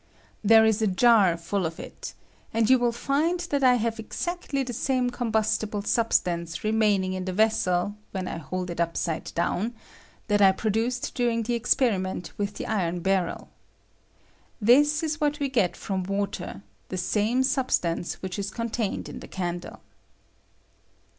There is a jar full of it; and you will find that I have exactly the aame combustible substance remain ing in the vessel, when I hold it upside down, that I produced during the esperiment with the iron barrel. This is what we get from water, the aame substance which is contained in the candle.